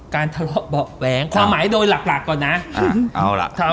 การทะเลาะบอกแว้งความหมายโดยหลักก่อนนะ